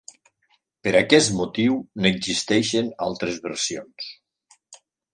Per aquest motiu n'existeixen altres versions.